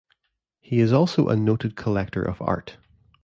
He is also a noted collector of art.